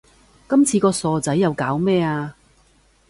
今次個傻仔又搞咩呀